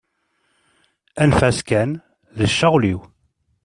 Anef-as kan, d ccɣel-iw.